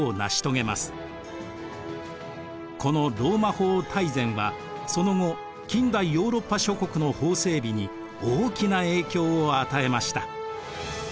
この「ローマ法大全」はその後近代ヨーロッパ諸国の法整備に大きな影響を与えました。